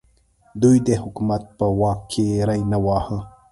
دوی د حکومت په واک کې ری نه واهه.